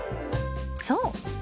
そう。